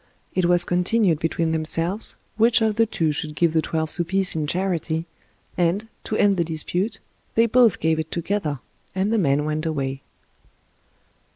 It was continued between themselves which of the two should give the twelve sous piece in charity, and, to end the dispute, they both gave it together, and the man went away.